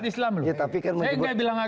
saya tidak sebut umat islam loh